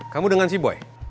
kamu dengan si boy